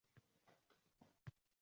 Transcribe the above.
Oxir qishning kunida rostakam haydadi